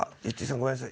ごめんなさい